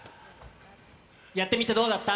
やってみてどうだった？